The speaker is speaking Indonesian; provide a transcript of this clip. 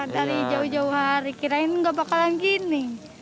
dari jauh jauh hari kirain gak bakalan gini